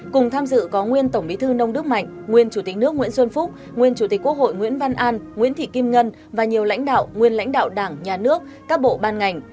cùng tham dự có nguyên tổng bí thư nông đức mạnh nguyên chủ tịch nước nguyễn xuân phúc nguyên chủ tịch quốc hội nguyễn văn an nguyễn thị kim ngân và nhiều lãnh đạo nguyên lãnh đạo đảng nhà nước các bộ ban ngành